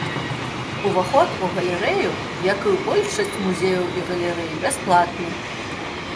Уваход у галерэю, як і ў большасць музеяў і галерэй, бясплатны.